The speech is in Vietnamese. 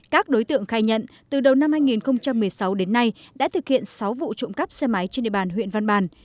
các đối tượng khai nhận từ đầu năm hai nghìn một mươi sáu đến nay đã thực hiện sáu vụ trộm cắp xe máy trên địa bàn huyện văn bàn